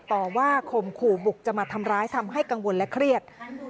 ต่อว่าข่มขู่บุกจะมาทำร้ายทำให้กังวลและเครียด